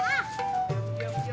nggak usah nyarinya di